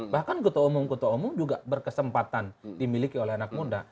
bahkan ketua umum ketua umum juga berkesempatan dimiliki oleh anak muda